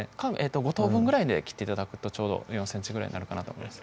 ５等分ぐらいで切って頂くとちょうど４ｃｍぐらいになるかなと思います